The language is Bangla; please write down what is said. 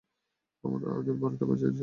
আমরা ওদের বারোটা বাজিয়ে ছাড়বো।